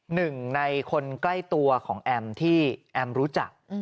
หนึ่งในคนใกล้ตัวของแอมที่แอมรู้จัก